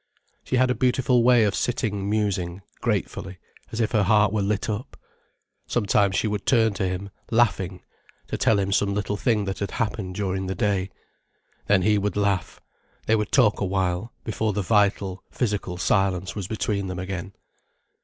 She had a beautiful way of sitting musing, gratefully, as if her heart were lit up. Sometimes she would turn to him, laughing, to tell him some little thing that had happened during the day. Then he would laugh, they would talk awhile, before the vital, physical silence was between them again.